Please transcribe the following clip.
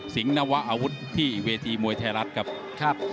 นวะอาวุธที่เวทีมวยไทยรัฐครับ